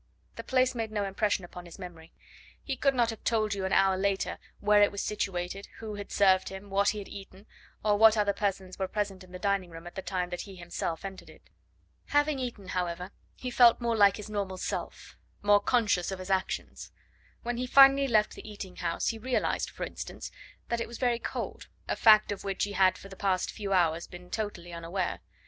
The place made no impression upon his memory. He could not have told you an hour later where it was situated, who had served him, what he had eaten, or what other persons were present in the dining room at the time that he himself entered it. Having eaten, however, he felt more like his normal self more conscious of his actions. When he finally left the eating house, he realised, for instance, that it was very cold a fact of which he had for the past few hours been totally unaware.